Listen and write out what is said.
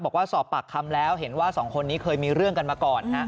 บอกว่าสอบปากคำแล้วเห็นว่าสองคนนี้เคยมีเรื่องกันมาก่อนนะ